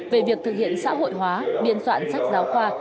về việc thực hiện xã hội hóa biên soạn sách giáo khoa